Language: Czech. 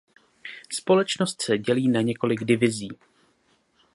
Společnost se dělí na několik divizí.